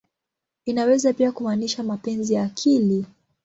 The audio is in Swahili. Inaweza pia kumaanisha "mapenzi ya akili.